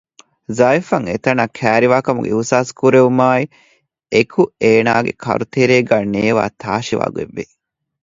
ޒާއިފް އަށް އެތަނާ ކައިރިވާކަމުގެ އިހްސާސް ކުރެވުމާއި އެކު އޭނާގެ ކަރުތެރޭގައި ނޭވާ ތާށިވާ ގޮތްވި